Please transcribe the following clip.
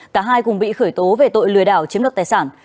cả hai cùng bị khởi tố về tội lừa đảo chiếm đoạt tài sản